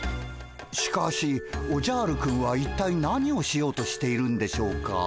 しかしおじゃるくんは一体何をしようとしているんでしょうか。